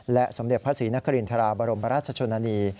สมเด็จพระศรีนครินทราบรมราชชนนานี